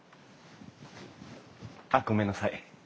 あっごめんなさい。